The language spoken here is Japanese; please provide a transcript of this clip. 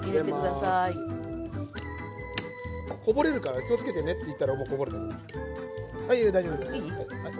こぼれるから気を付けてねって言ったらもうこぼれた。